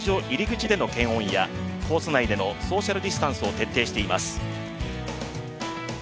入り口での検温やコース内でのソーシャルディスタンスを徹底しています。